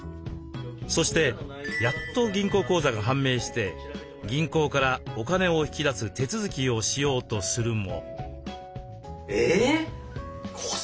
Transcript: そしてやっと銀行口座が判明して銀行からお金を引き出す手続きをしようとするも。